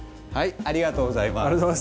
ありがとうございます。